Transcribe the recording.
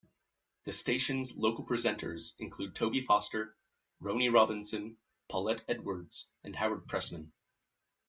The station's local presenters include Toby Foster, Rony Robinson, Paulette Edwards and Howard Pressman.